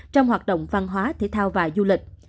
trong hoạt động văn hóa thể thao và du lịch